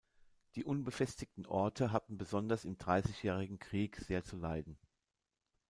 Die unbefestigten Orte hatten besonders im Dreißigjährigen Krieg sehr zu leiden.